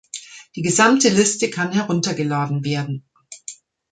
Die gesamte Liste kann heruntergeladen werden.